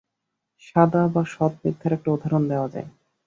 সাদা বা সৎ মিথ্যার একটা উদাহরণ দেওয়া যায়।